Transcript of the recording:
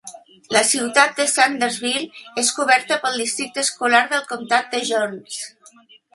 La ciutat de Sandersville és coberta pel districte escolar del comtat de Jones.